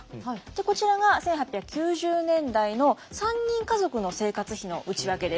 こちらが１８９０年代の３人家族の生活費の内訳です。